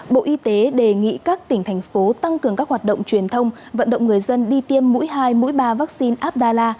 bộ y tế đề nghị các tỉnh thành phố tăng cường các hoạt động truyền thông vận động người dân đi tiêm mũi hai mũi ba vaccine abdalla